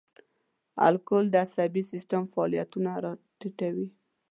الکول د عصبي سیستم فعالیتونه را ټیټوي.